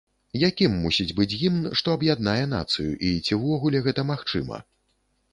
Якім мусіць быць гімн, што аб'яднае нацыю, і ці ўвогуле гэта магчыма?